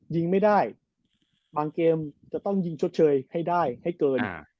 ต้องไปยิงชดเชยให้ได้ให้เกิน